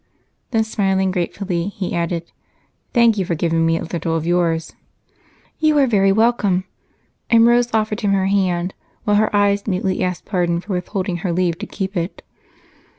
Then, smiling gratefully, he added, "Thank you for giving me a little of yours." "You are very welcome." And Rose offered him her hand while her eyes mutely asked pardon for withholding her leave to keep it.